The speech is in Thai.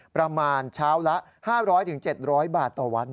ประมาณเช้าละ๕๐๐๗๐๐บาทต่อวัน